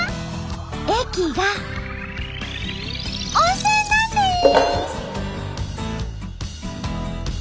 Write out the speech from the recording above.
駅が温泉なんです！